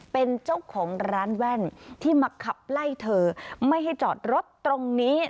เป็นเจ้าของร้านแว่นที่มาขับไล่เธอไม่ให้จอดรถตรงนี้